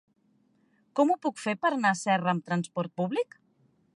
Com ho puc fer per anar a Serra amb transport públic?